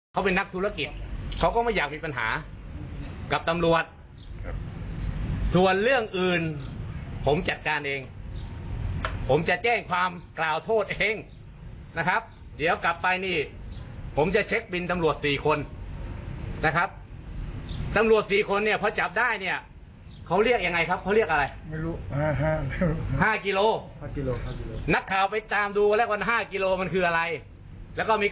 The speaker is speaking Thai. เขาเป็นนักธุรกิจเขาก็ไม่อยากมีปัญหากับตำรวจส่วนเรื่องอื่นผมจัดการเองผมจะแจ้งความกล่าวโทษเองนะครับเดี๋ยวกลับไปนี่ผมจะเช็คบินตำรวจสี่คนนะครับตำรวจสี่คนเนี่ยพอจับได้เนี่ยเขาเรียกยังไงครับเขาเรียกอะไรไม่รู้ห้ากิโลครับนักข่าวไปตามดูแล้วกัน๕กิโลมันคืออะไรแล้วก็มี